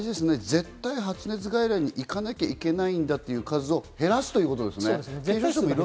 絶対、発熱外来に行かなきゃいけないんだという数を減らすということですね。